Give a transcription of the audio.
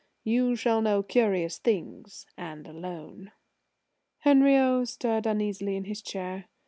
You shall know curious things and alone!" Henriot stirred uneasily in his chair.